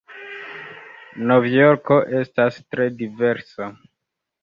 Novjorko estas tre diversa.